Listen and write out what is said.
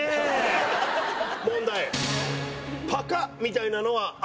問題。